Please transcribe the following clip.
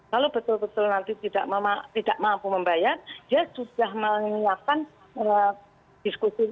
kalau betul betul nanti tidak mampu membayar dia sudah menyiapkan diskusi